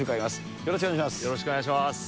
よろしくお願いします。